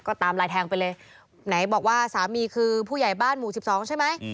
ก็ตามลายแทงไปเลยไหนบอกว่าสามีคือผู้ใหญ่บ้านหมู่สิบสองใช่ไหม